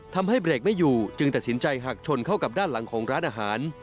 ทำให้เบรกไม่อยู่จึงตัดสินใจหักชนเข้ากับด้านหลังของร้านอาหาร